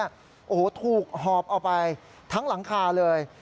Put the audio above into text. โอ้โหถูกหอบเอาไปทั้งหลังคาเลย